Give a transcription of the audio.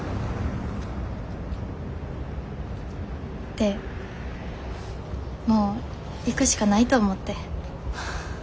でもう行くしかないと思って。